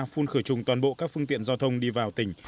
phun khởi trùng toàn bộ các phương tiện giao thông đi vào tỉnh